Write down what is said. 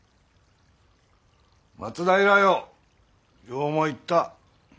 松平よよう参った。